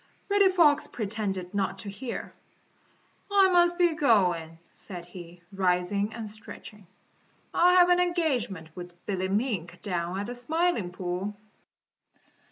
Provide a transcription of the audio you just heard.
Reddy Fox pretended not to hear. "I must be going," said he, rising and stretching. "I have an engagement with Billy Mink down at the Smiling Pool."